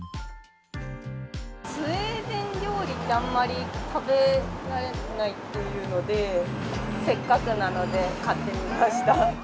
スウェーデン料理って、あんまり食べられないというので、せっかくなので買ってみました。